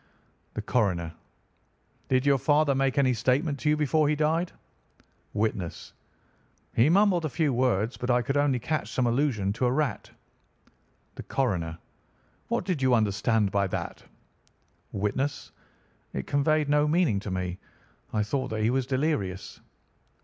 "The Coroner: Did your father make any statement to you before he died? "Witness: He mumbled a few words, but I could only catch some allusion to a rat. "The Coroner: What did you understand by that? "Witness: It conveyed no meaning to me. I thought that he was delirious.